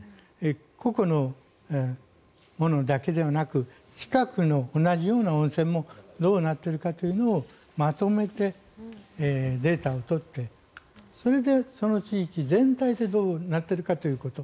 個々のものだけではなく近くの同じような温泉もどうなってるかというのをまとめてデータを取ってそれでその地域全体でどうなってるかということ。